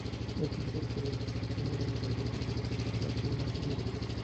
Es conocido por ser uno de los baterías de Alkaline Trio.